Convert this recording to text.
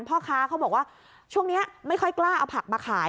พ่อค้าเขาบอกว่าช่วงนี้ไม่ค่อยกล้าเอาผักมาขาย